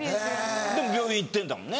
でも病院行ってんだもんね。